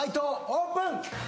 オープン